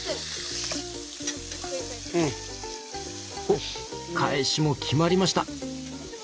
おっ返しも決まりました！